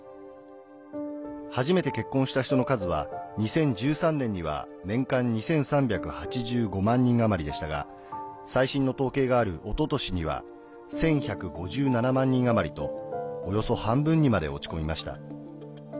初めて結婚した人の数は２０１３年には年間２３８５万人余りでしたが最新の統計があるおととしには１１５７万人余りとおよそ半分にまで落ち込みました。